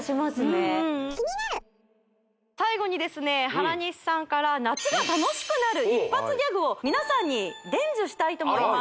原西さんから夏が楽しくなる一発ギャグを皆さんに伝授したいと思います